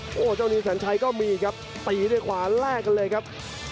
โอ้โหเจ้านิวสัญชัยก็มีครับตีด้วยขวาแลกกันเลยครับ